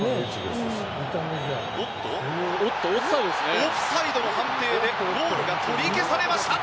オフサイドの判定でゴールが取り消されました。